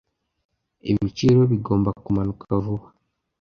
Ibiciro bigomba kumanuka vuba.